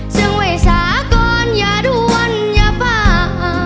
เสื้องไว้สาก่อนอย่าด้วนอย่าเผ่า